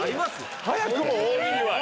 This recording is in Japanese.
早くも大にぎわい？